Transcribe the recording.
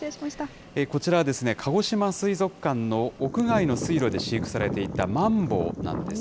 こちらはかごしま水族館の屋外の水路で飼育されていたマンボウなんです。